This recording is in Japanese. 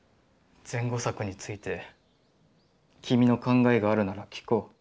「善後策について君の考があるなら聞こう」。